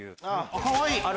かわいい！